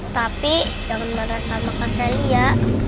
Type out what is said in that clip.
tapi jangan marah sama kak selia